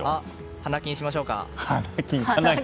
華金しましょうか。